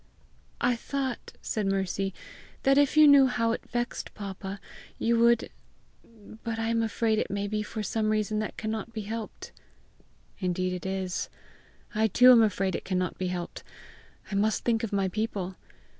"I thought," said Mercy, "that if you knew how it vexed papa, you would But I am afraid it may be for some reason that cannot be helped!" "Indeed it is; I too am afraid it cannot be helped! I must think of my people!